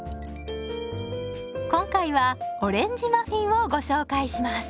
今回はオレンジマフィンをご紹介します。